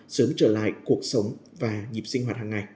sớm trở lại cuộc sống và nhịp sinh hoạt hàng ngày